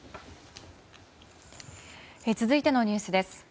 続いてのニュースです。